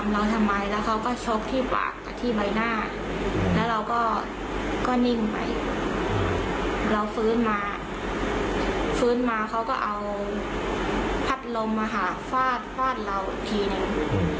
เราฟื้นมาฟื้นมาเขาก็เอาพัดลมฟาดฟาดเราอีกทีนึง